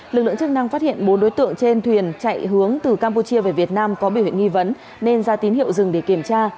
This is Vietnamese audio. lực lượng chức năng phát hiện bốn đối tượng trên thuyền chạy hướng từ campuchia về việt nam có biểu hiện nghi vấn nên ra tín hiệu dừng để kiểm tra